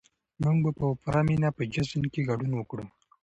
موږ به په پوره مينه په جشن کې ګډون کوو.